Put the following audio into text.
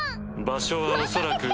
場所は恐らく。